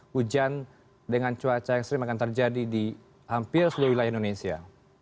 hujan dengan cuaca ekstrim akan terjadi di hampir seluruh wilayah indonesia